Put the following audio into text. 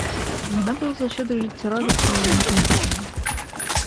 Яна была заўсёды жыццярадасная і энергічная.